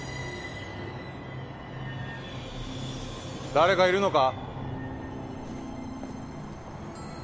・誰かいるのか？